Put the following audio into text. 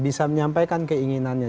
bisa menyampaikan keinginannya